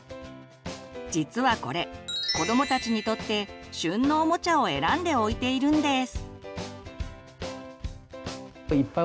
実はこれ子どもたちにとって「旬のおもちゃ」を選んで置いているんです。